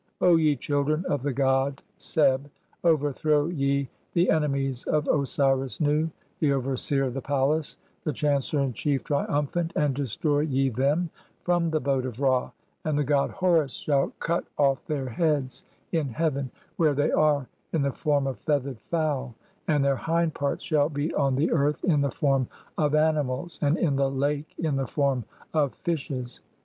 O ye children of the god Seb, overthrow ye the enemies "of Osiris Nu, the overseer of the palace, the chancellor in chief, "triumphant, and destroy ye them (4) from the boat of Ra ; "and the god Horus shall cut off their heads in heaven [where "they are] in the form of feathered fowl, and their hind parts shall "be on the earth in the form of animals and in the Lake in the form "of (5) fishes.